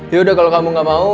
ya udah kalau kamu gak mau